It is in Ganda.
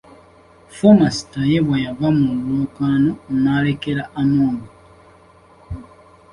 Thomas Tayebwa yava mu lwokaano n’alekera Among.